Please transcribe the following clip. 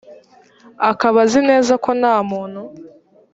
akaba azi neza ko nta muntu